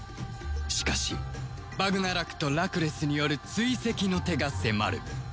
しかしバグナラクとラクレスによる追跡の手が迫る